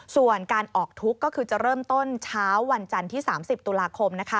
ส่วนการออกทุกข์ก็คือจะเริ่มต้นเช้าวันจันทร์ที่๓๐ตุลาคม